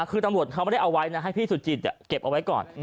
คือตำรวจเขาไม่ได้เอาไว้นะให้พี่สุจิตเก็บเอาไว้ก่อน